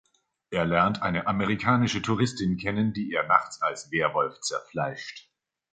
Er lernt eine amerikanische Touristin kennen, die er nachts als Werwolf zerfleischt.